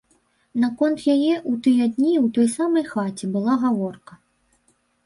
Наконт яе ў тыя дні ў той самай хаце была гаворка.